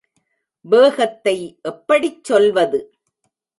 வேகத்தை எப்படிச் சொல்வது?